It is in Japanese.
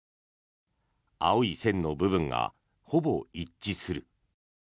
青い線の部分がほぼ一致する。